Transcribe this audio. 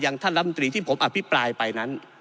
ท่านลำตรีที่ผมอภิปรายไปนั้น